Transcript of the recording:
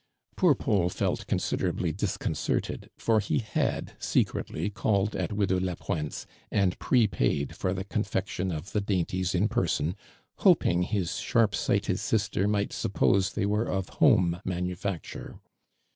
Poor Paul felt considerably disconcerted, for he had secretly called at Widow La pointe"s and prepaid for the confection of the ilainties inpei son, hoping his sharp sighted jister might suppose they were of home manufacture.